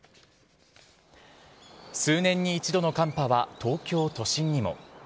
数年に一度の寒波は東京都心にも。